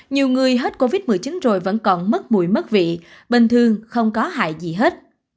nhiều người hết covid một mươi chín rồi vẫn còn mất mùi mất vị bình thường không có hại gì hết